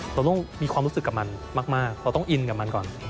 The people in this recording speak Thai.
เราต้องมีความรู้สึกกับมันมากเราต้องอินกับมันก่อน